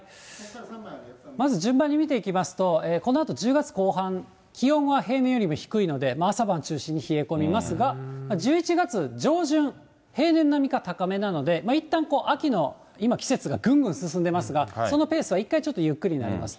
まず順番に見ていきますと、このあと１０月後半、気温は平年よりも低いので、朝晩中心に冷え込みますが、１１月上旬、平年並みか高めなので、いったん秋の、今、季節がぐんぐん進んでますが、そのペースは一回、ちょっとゆっくりになります。